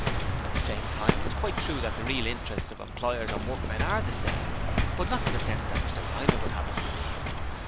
'At the same time it is quite true that the real interests of employers and workmen are the same, but not in the sense that Mr Grinder would have us believe.